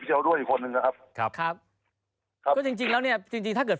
เดียวด้วยอีกคนนึงนะครับครับครับก็จริงจริงแล้วเนี่ยจริงจริงถ้าเกิด